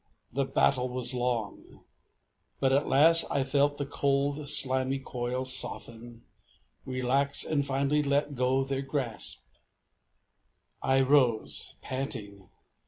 The battle was long. But at last I felt the cold slimy coils soften, relax, and finally let go their grasp. I rose, panting.